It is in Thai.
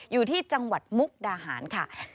อยู่ที่จังหวัดมุกดาหารค่ะ